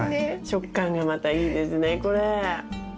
食感がまたいいですねこれ。